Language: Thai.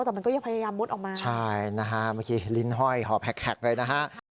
แต่มันก็ยังพยายามมุดออกมาใช่นะฮะเมื่อกี้ลิ้นห้อยหอบแหกเลยนะฮะ